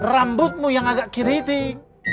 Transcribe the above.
rambutmu yang agak keriting